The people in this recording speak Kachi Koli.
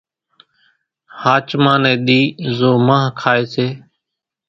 ۿاچمان ني ۮي زو مانۿ کائي سي